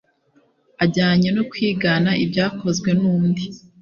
ajyanye no kwigana ibyakozwe n undi